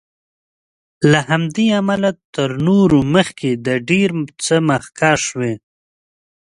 له همدې امله تر نورو مخکې د ډېر څه مخکښ وي.